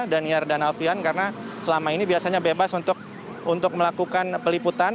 dan niar dan alfian karena selama ini biasanya bebas untuk melakukan peliputan